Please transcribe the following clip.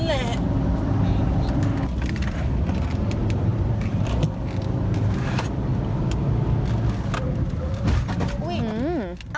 เออนั่นแหละ